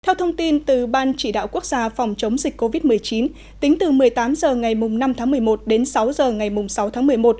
theo thông tin từ ban chỉ đạo quốc gia phòng chống dịch covid một mươi chín tính từ một mươi tám h ngày năm tháng một mươi một đến sáu h ngày sáu tháng một mươi một